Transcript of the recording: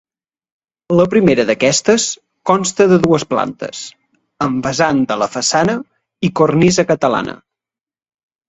La primera d’aquestes, consta de dues plantes, amb vessant a la façana i cornisa catalana.